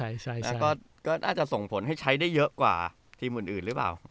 แล้วก็น่าจะส่งผลให้ใช้ได้เยอะกว่าทีมอื่นหรือเปล่า